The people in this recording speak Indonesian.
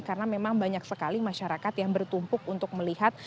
karena memang banyak sekali masyarakat yang bertumpuk untuk melihat